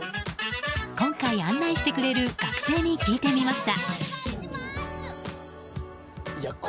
今回、案内してくれる学生に聞いてみました。